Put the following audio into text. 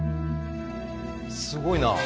すごいな。